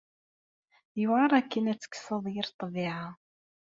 Yewɛer akken ad tekkseḍ yir ṭṭbiɛa.